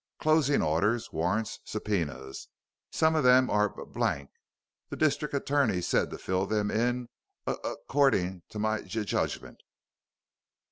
"Closing orders, warrants, subpoenas. Some of them are b blank. The district attorney said to fill them in ac c cording to my j judgment."